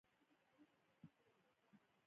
طبیعي درمل له نباتاتو جوړیږي